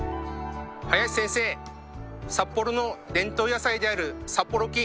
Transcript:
林先生札幌の伝統野菜である札幌黄。